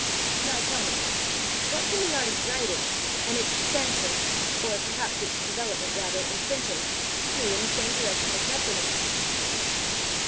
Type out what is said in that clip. "Now tell me what can the art of writing, and its expansion, or perhaps its development rather, in printing, do in the same direction as necromancy?